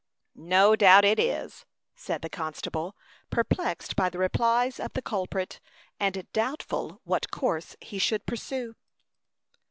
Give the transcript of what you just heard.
"No doubt it is," said the constable, perplexed by the replies of the culprit, and doubtful what course he should pursue.